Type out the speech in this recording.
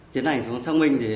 tiến hành xuống sáng binh